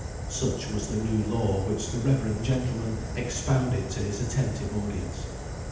Such was the new law which the reverend gentleman expounded to his attentive audience.